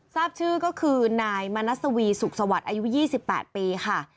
ทราบชื่อก็คือนายมณัสวีสุขสวัสดิ์อายุ๒๘ปีค่ะ